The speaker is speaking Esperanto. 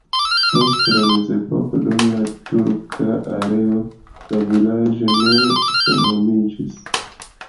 Post la mezepoko dum la turka erao la vilaĝo ne senhomiĝis.